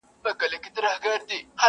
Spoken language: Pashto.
کروندې يې د کهاله څنگ ته لرلې!.